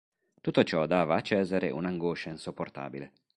Tutto ciò dava a Cesare un'angoscia insopportabile.